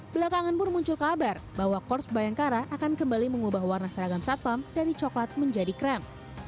belakangan pun muncul kabar bahwa korps bayangkara akan kembali mengubah warna seragam satpam dari coklat menjadi krem